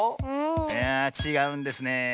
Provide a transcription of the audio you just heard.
いやあちがうんですねえ。